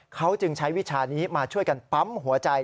เขาจึงใช้วิชานี้มาช่วยกันปั๊มหัวใจ